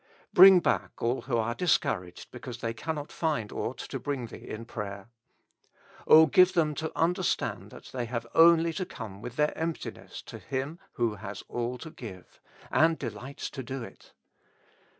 Bring back all who are discouraged, because they cannot find ought to bring Thee in prayer. O give them to under stand that they have only to come with their empti ness to Him who has all to give, and delights to do it.